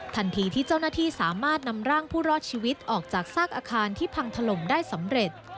ทันทีที่เจ้าหน้าที่สามารถนำร่างผู้รอดชีวิตออกจากซากอาคารที่พังถล่มได้สำเร็จ